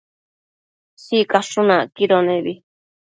Sicashun acquido nebi